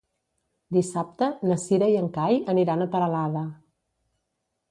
Dissabte na Cira i en Cai aniran a Peralada.